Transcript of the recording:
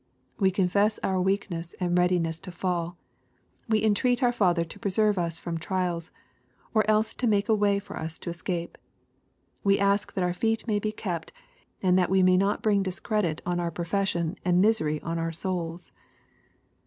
We con fess our weakness and readiness to fall. We entreat our Father to preserve us from trials, or else to make a way for us to escape. We ask that our feet may be kept, and that we may not bring discredit on our profession and misery on our souls.